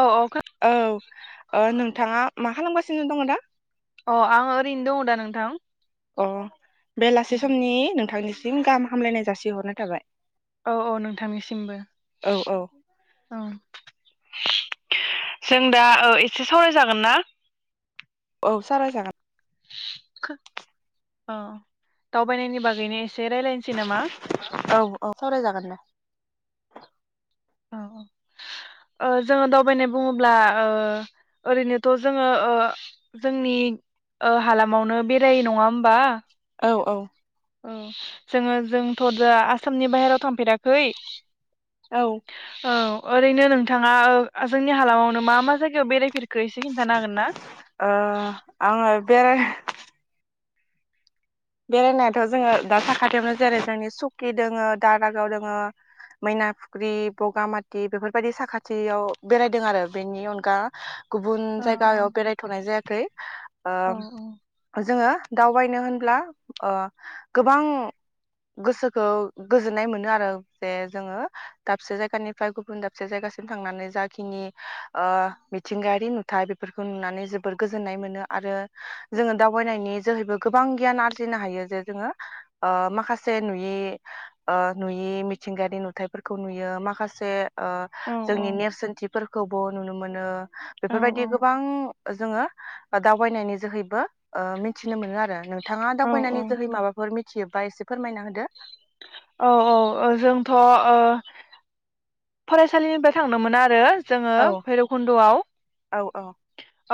औ खो औ ओ नों थाङा मा खालामगासिनो दङ' दा? अ आं ओरैनो दङ' दा नोंथां। अ बेलासि समनि नोंथांनिसि जों गाहाम हामलायनाय जासि हरनाय थाबाय । औ औ नोंथांनिसिमबो औ औ। जों दा एसे सावराय जागोन ना? औ सावरायजागोन। खो अ दावबायनायनि बागैनो एसे रायलायनोसै नामा? औ औ सावरायजागोन दे। औ औ ओ जोङो दावबायनाय बुङोब्ला ओ ओरैनोथ' जोङो ओ जोंनि ओ हालामावनो बेरायो नङा होमबा? औ औ। औ जोङो जोंथ' दा आसामनि बाहेराव थांफेराखै। औ। औ ओरैनो नोंथाङा जोंनि हालामावनो मा मा जायगायाव बेरायफेर ओ आं बेराय बेरायनायाथ' जोङो दा साखाथियावनो जेरै जोंनि सुकि दोङो दारागाव दोङो मैना फुख्रि बगामाथि बेफोरबायदि साखाथियाव बेरायदों आरो बेनि अनगा गुबुन औ जायगायाव बेरायथ'नाय जाया खै। औ ओ जोङो दावबायनो होनब्ला ओ गोबां गोसोखौ गोजोननाय मोनो आरो जे जोङो दाबसे जायगानिफ्राय गुबुन दाबसे जायगासिम थांनानै जाखिनि ओ मिथिंगायारि नुथाय बेफोरखौ नुनानै जोबोर गोजोननाय मोनो आरो जोङो दावबायनायनि जोहैबो गोबां गियान आर जिनो हायो जे जोङो ओ माखासे नुयि नुयि मिथिंगायारि नुथायाइफोरखौ नुयो माखासे ओ औ जोंनि नेरसोनथिफोर खौबो नुनो मोनो। औ बेफोरबायदि गोबां जोङो दावबायनायनि जोहैबो ओ मिथिनो मोनो आरो। नोंथाङा औ फैनायनि औ जोहै माबाफोर मिथियोबा एसे फोरमायना होदो? औ औ ओ जोंथ' ओ फरायसालिनिफ्राय थांदोंमोन आरो जोङो औ भैरबखुन्दआव। औ औ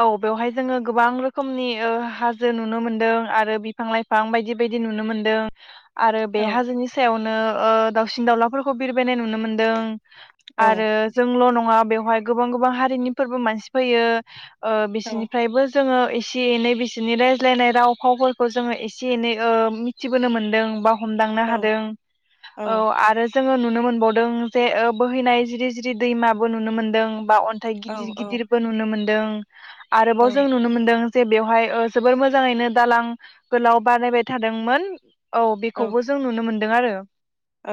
औ बेवहाय जोङो गोबां रोखोमनि ओ हाजो नुनो मोनदों आरो बिफां लाइफां बायदि बायदि नुनो मोनदों। आरो औ बे हाजोनि सायाव नों ओ दाउसिन दावउलाफोरखौ बिरबायनाय नुनो मोनदों। औ आरो जोंल' न ङा बेवहाय गोबां गोबां हारिनि फोरबो मानसि फैयो। ओ औ बिसोरनिफ्रायबो जोङो एसे एनै बिसोरनि रायज्लायनाय राव फावफोरखौ जोङो एसे एनै ओ मिथिबोनो मोनदों बा हमदांनो औ हादों औ आरो जोङो नुनो मोनबावदों जे ओ बोहैनाय जिरि जिरि दैमाबो नुनो मोन्दों। बा अन्थाइ गिदिर गिदिरबो नुनो मोन दों। औ आरोबाव जों नुनो मोनदों जे बेवहाय ओ जोबोर मोजाङैनो दालां गोलाव बानायबाय थादोंमोन। औ बेखौबो जों नुनो मोन दों आरो।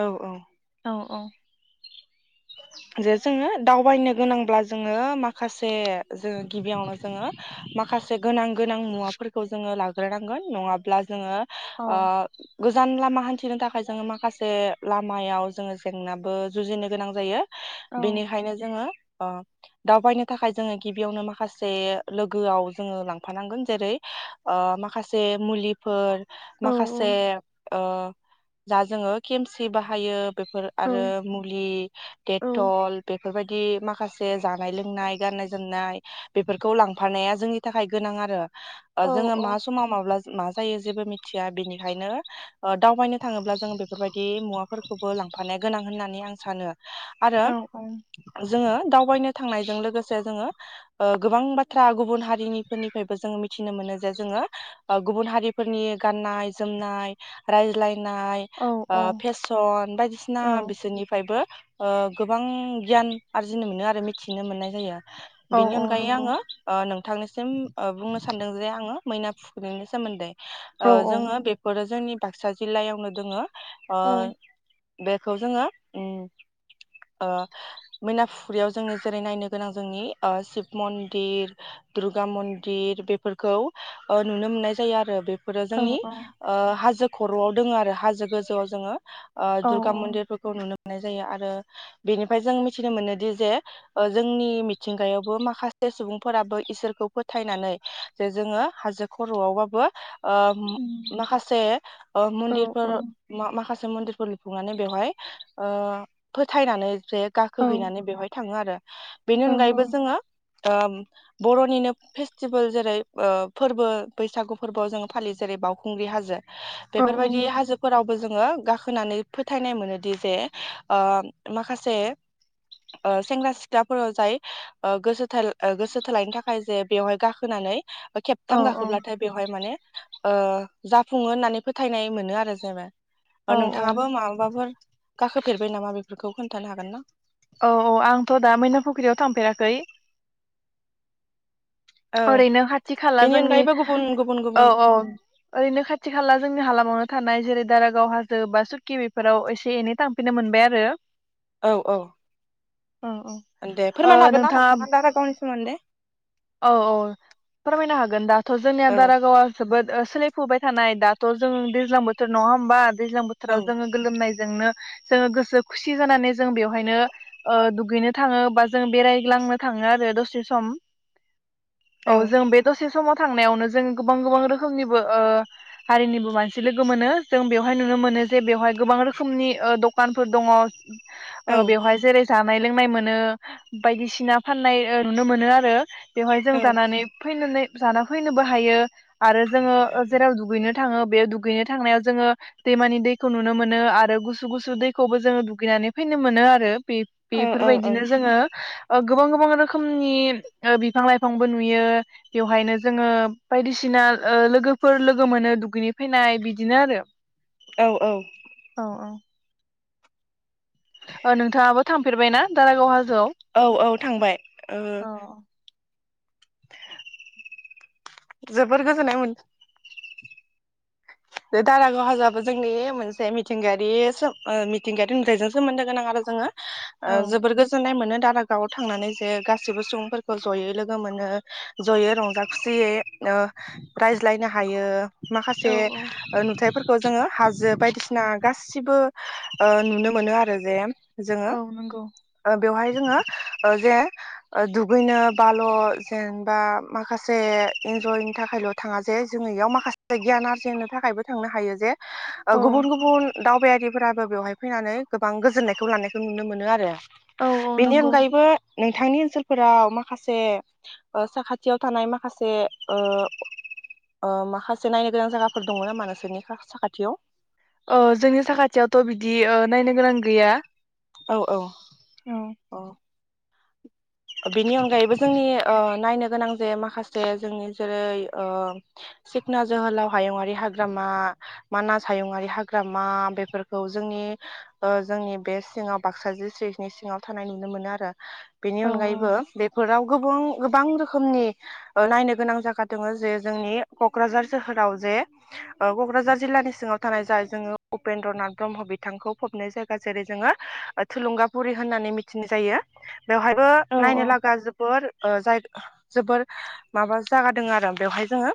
औ औ। औ औ। जे जोङो दावबायनो गोनांब्ला जोङो माखासे। जोङो गिबियावनो जोङो माखासे गोनां। गोनां मुवाफोरखौ जोङो लाग्रोनांगोन नङाब्ला जोङो। औ आ। गोजान लामा हान्थिनो थाखाय जोङो माखासे लामायाव जोङो जेंनाबो जुजिनो। गोनां जायो। बेनिखायनो जोङो। अ दावबायनो थाखाय जोङो गिबियावनो माखासे लोगोआव जोङो लांफानांगोन जेरै माखासे मुलिफोर। औ माखासे। अ जा जोङो केमसि बाहायो बे। फोर औ आरो मुलि। डेटल। बेफोरबायदि माखासे जानाय लोंनाय गाननाय जोमनाय। बेफोरखौ लांफानाया। जोंनि थाखाय गोनां आरो। जोङो मा समाव माब्ला। मा जायो जेबो मिथिया बिनिखायनो दावबायनो थाङोब्ला जों बेफोरबायदि मुवाफोरखौबो लांफानाया गोनां होननानै आं सानो। आरो जोङो दावबायनो। थांनायजों लोगोसे जोङो गोबां बाथ्रा गुब। हारिनिफोरनिफ्रायबो जोङो मि। मिथिनो मोनो जे जोङो गुबुन हारिफोरनि गाननाय जोमनाय रायज्लायनाय। नाय औ ओ फेसन बायदिसिना बिसोरनिफ्रायबो। ओ गोबां गियान आरजिनो मोनो आरो मिथिनो मोननाय जायो। औ बेनि औ अनगायै नंगौ आङो ओ नों। थांनायसिम। ओ बुंनो सान्दों जे आङो। मैना फुख्रिनि सोमोन्दै। औ ओ औ जोङो बेफोरो। जोंनि बाक्सा जिल्लायावनो दोङो। ओ। औ बेखौ जोङो। ओ मैनाफुख्रिरियाव जोंनि जेरै नायनो गोनां जोंनि ओ शिब मन्दिर दुर्गा मन्दिर ओ बेफोरखौ नुनो मोननाय जायो आरो बे। औ जोंनि ओ हाजो। खरआव दोङो आरो हाजो गोजौआव जोङो। ओ औ दुर्गा मन्दिरफोरखौ नुनो नुनाय जायो आरो बेनिफ्राय जों मिथिनो मोनोदि जे जोंनि मिथिंगायावबो माखासे सुबुंफोराबो इसोरखौ फोथायनानै जे जोङो हाजो खरआवबाबो ओ माखासे ओ मन्दिरफोर माखासे मन्दिरखौ लुफुंनानै बेवहाय फोथायनानै ओमफ्राय गाखोहैनानै बेवहाय थाङो आरो। बेनि अनगायैबो जोङो ओ बर'निनो फेस्टिभेल जेरैओ फोरबो बैसागु फोरबोआव जोङो फालियो जेरै बावउखुंग्रि हाजो। औ बेफोरबायदि हाजोफोराव जोङो गाखोनानै फोथायनाय मोनोदि जे ओ माखासे सेंग्रा सिख्लाफोराव जाय गोसो गोसो थोलायनो थाखाय जे बेवहाय गाखोनानै औ खेबथाम औ गाखोब्लाथाय बेवहाय माने जाफुङो होननानै फोथायनाय मोनो आरो जेनेबा औ नोंथाङाबो माबबाफोर गाखो मा बेफोरखौ खोनथानो हागोन ना? औ औ आंथ दा मैना फुख्रियाव थांफेराखै। औ ओरैनो खाथि खाला बेनि जोंनि अनगायैबो गुबुन गुबुन औ गुबुन औ ओरैनो खाथि खाला जोंनि हालामावनो थानाय जेरै दारागाव हाजो बा सुकि बेफोराव एसे एनै थांफिननो मोनबाय आरो। औ औ औ दे ओ फोरमायनो हागोन ना नोंथाङा नोंथांङा दारा गावनि सोमोन्दै औ औ फोरमायनो हागोन दाथ' जोंनिया औ दारागावा जोबोद सोलायफुबाय थानाय दाथ' जों दैज्लां बोथोर नङा होबा दैज्लां औ बोथोराव जोङो गोलोमनायजोंनो जोङो गोसो खुसि जानानै जों बेवहायनो दुगैनो ओ थाङो बा जों बेरायलांनो थाङो आरो दसे सम औ जों बेथसे समाव थांनायावनो जों गोबां गोबां रोखोमनिबो ओ हारिनिबो मानसि लोगो मोनो जों बेवहाय नुनो मोनो जे बेवहाय गोबां रोखोमनि दखानफोर दङ। औ ओ बेवहाय जेरै जा जानाय लोंनाय मोनो बायदिसिना फाननाय नुनो मोनो आरो। बेवहाय जों जानानै फैनानै जाना फैनोबो हायो आरो जोङो जेराव दुगैनो थाङो बे दुगैनो थांनायाव जोङो दैमानि दैखौ नुनो मोनो आरो गुसु गुसु दैखौबो जोङो दुगैनानै फैनो मोनो आरो। बेब औ औ बेफोरबायदिनो जोङो गोबां गोबां रोखोमनि ओ बिफां लाइफांबो नुयो बेवहायनो जोङो बायदिसिना लोगोफोर लोगो मोनो दुगैनि फैनाय बिदिनो आरो औ औ औ नोंथाङाबो थांफेरबायना दारागावहा औ औ थांबाय ओ औ जोबोर गोजोननाय मोन बे दारागाव हाजोआबो जोंनि मोनसे मिथिंगायारि मिथिंगायारि नुथायजों सोमोन्दो गोनां आरो जोङो जोबोर गोजोननाय मोनो दारागावआव थांनानै जे गासैबो सुबुंफोरखौ जयै लोगो मोनो जयै रंजा खुसियै रायज्लायनो हायो औ माखासे नुथायफोरखौ जोङो हाजो बायदिसिना गासिबो ओ नुनो मोनो आरो जे जोङो औ नंगौ बेवहाय जोङो जे दुगैनो बाल' जेनेबा माखासे इन्जयनि थाखायल थाङा जे जोङो इयाव माखासे गियान आरजिनो नि थाखायबो थांनो हायो जे औ गुबुन गुबुन दावबायारिफोराबो बेवहाय फैनानै गोबां गोजोननायखौ लानायखौ नुनो मोनो आरो औ औ बेनि नंगौ अनगायैबो नोंथांनि ओनसोलफोराव माखासे साखाथियाव थानाय माखासे माखासे नायनो गोनां जायगा फोर दङ नामा नोंसोरनि साखाथियाव जोंनि साखाथियावथ बिदि नायनो गोनां गैया औ औ औ औ बेनि अनगायैबो जोंनि नायनो गोनां जे माखासे जोंनि जेरै सिखना जोहोलाव हायुंङरारि हाग्रामा मानास हायुंआरि हाग्रामा बेफोरखौ जोंनि जोंनि बे सिङाव बाक्सा डिस्ट्रिक्नि सिङाव थानाय नुनो मोनो आरो बिनि औ उ बेफोराव गोबुं गोबां रोखोमनि नायनो गोनां जागा दङ जे जोंनि कक्राझार सोहोराव जे कक्राझार जिल्लानि सिङाव थानाय जाय जोङो उपेन्द्र नाथ ब्रह्म बिथांखौ फबनाय जायगा जेरै जोङो थुलुंगाफुरि होननानै मिथिनाय जायो बेवहायबो औ नायनो लागा जोबोर जाय जोबोर माबा जागा दङ आरो बेवहाय जोङो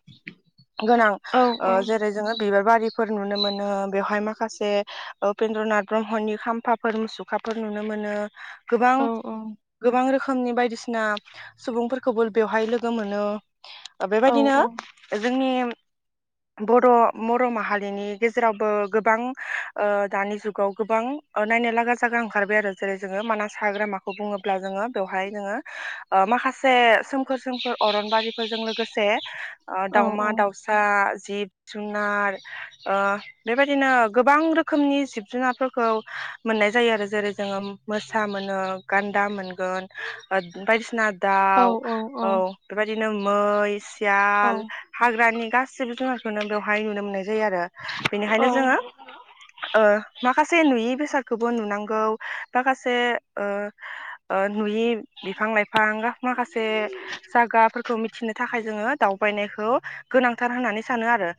गोनां औ जेरै जोङो बिबार बारिफोर नुनो मोनो बेवहाय माखासे उपेन्द्रनाथ ब्रह्मनि खाम्फाफोर मुसुखाफोर नुनो मोनो औ गोबां औ गोबां रोखोम रोखोमनि बायदिसिना सुबुंफोरखौबो बेवहाय लोगो मोनो औ बेबायदिनो जोंनि बर' बर' माहारिनि गेजेरावबो गोबां दानि जुगाव गोबां नायनो लागा जागा ओंखारबाय आरो जेरै जोङो मानास हाग्रामाखौ बुङोब्ला जोङो बेवहाय नोङो ओ माखासे सोमखोर सोमखोर अरनबारिफोरजों लोग लोगोसे ओ औ दाउमा दाउसा जिब जुनार ओ बेबायदिनो गोबां रोखोमनि जिब जुनारफोरखौ मोननाय जायो आरो जेरै जोङो मोसा मोनो गान्दा मोनगोन ओ बायदिसिना औ दाउ औ बेबायद बिदिनो मै सियाल हाग्रानि गासिबो जुनारखौनो बेवहाय नुनो मोननाय जायोआरो बेनिखायनो औ जोङो ओ माखासे नुयै बेसाद खौबो नुनांगौ माखासे ओ ओ नुयि बिफां लाइफां माखासे जागाफोरखौ मिथिनो थाखाय जोङो दावबायनायखौ गोनांथार होननानै सानो आरो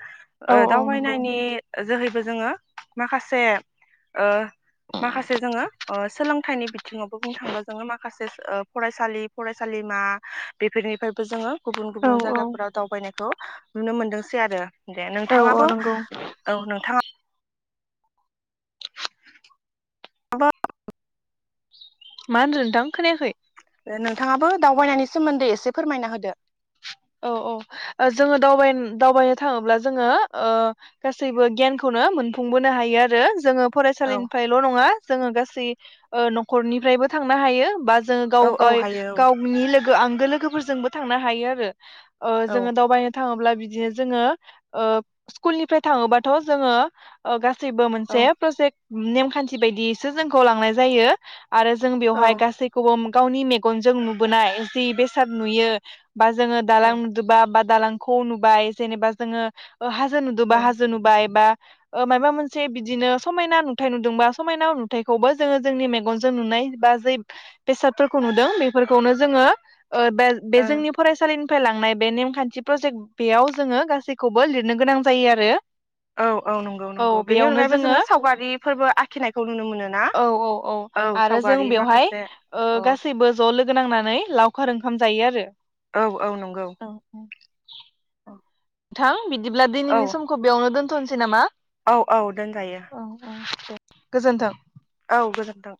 औ ओ औ नंगौ दावबायनायनि जोहैबो जोङो माखासे ओ माखासे जोङो ओ सोलोंथाइनि बिथिङावबो बुंनो थाङोब्ला जोङो माख ओ फरायसालि फरायसालिमा बेफोरनिफ्रायबो जोङो गुबुन औ गुबुन औ जायगाफोराव दावबायनायखौ नुनो मोनदोंसै आरो दे औ औ नोंथाङाबो नंगौ औ नोंथाङा बो मा होनदों नोंथां खोनायाखै नोंथाङाबो दावबायनायनि सोमोन्दै एसे फोरमायना होदो औ औ जोङो दावबा-दावबायनो थाङोब्ला जोङो गासैबो गियानखौनो मोनफुंबोनो हायो आरो जोङो औ फरायसालिनिफ्रायल' नङा जोङो गास गासै ओ न'खरनिफ्रायबो थांनो हायो बा जोंङो औ औ हायो गाव-गाव-गावनि लोग गो आंगो लोगोफोरजोंबो थांनो हायो आरो ओ औ जोङो दावबायनो थाङोब्ला बिदिनो जोङो ओ सकुलनिफ्राय थाङोबाथ जोंङो ओ गास सिबो औ मोनसे प्रजेक्ट नेमखान्थि बायदिसो जोंखौ लांनाय जायो । आरो जों बेवहाय औ गासैखौबो गावनि मेगनजों नुबोनाय जि बेसाद नुयो बा जोङो दालां औ नुदोंबा बा दालांखौ नुबाय जेनेबा जोङो हाजो नुदोंबा औ हाजो नुबाय बा ओ मायबा मोनसे बिदिनो समायना नुथाय नुदोंबा समायना नुथायखौबो जोङो जोंनि मेगनजों नुनाय बा जै बेसादफोरखौ नुदों बेफोरखौनो जोङो ओ बेलट बे जोंनि [unintelligible] निफ्राय लांनाय बे नेमखान्थि प्रजेक्ट बेयाव जोङो गासैखौबो लिरनो गोनां जायो आरो औ औ नंगौ औ नंगौ बेनि बेयावनो अनगायैबो जोङो सावगारिफोरबो आखिनायखौ नुनो मोनो ना औ औ औ आरो जों सावगारि बेवहाय माखासे ओ औ गासैबो ज' लोगो नांनानै लावखार ओं ओंखाम जायो आरो औ औ नंगौ। अ थां बिदिब्ला दिनैनि समखौ बेयावनो दोनथ'नोसै नामा औ दोनजायो औ औ दे। गोजोन्थों। औ गोजोन्थों।